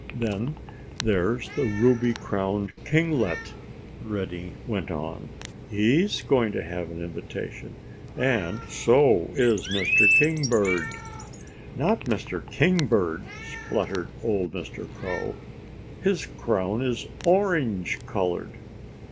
"Then there's the Ruby crowned Kinglet," Reddy went on. "He's going to have an invitation. And so is Mr. Kingbird." "Not Mr. Kingbird!" spluttered old Mr. Crow. "His crown is orange colored."